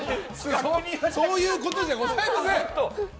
そういうことじゃございません。